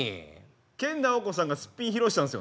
研ナオコさんがスッピン披露したんですよね。